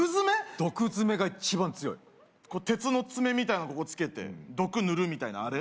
毒爪が一番強いこう鉄の爪みたいなのここ付けて毒塗るみたいなあれ？